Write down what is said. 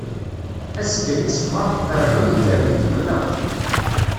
Azekka-nni ṣṣbeḥ, Ferɛun ikker-d itqelleq.